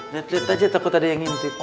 lihat lihat aja takut ada yang ngintip